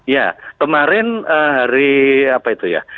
ya kemarin hari apa itu ya